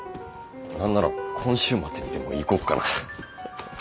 何なら今週末にでも行こっかな。